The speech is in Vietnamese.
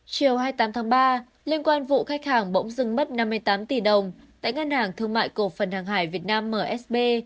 chiều hai mươi tám tháng ba liên quan vụ khách hàng bỗng dưng mất năm mươi tám tỷ đồng tại ngân hàng thương mại cổ phần hàng hải việt nam msb